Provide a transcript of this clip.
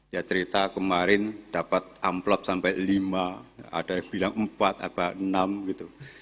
ya cerita kemarin dapat amplop sampai lima ada yang bilang empat ada yang bilang enam